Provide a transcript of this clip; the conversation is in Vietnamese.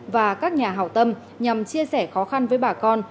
và các nhà hào tâm nhằm chia sẻ khó khăn với bà con